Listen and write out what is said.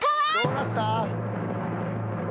どうなった？